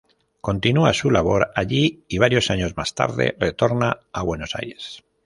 Continúa su labor allí y varios años más tarde retorna a Buenos Aires.